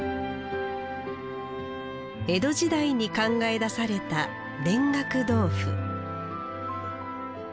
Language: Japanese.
江戸時代に考え出された田楽豆腐。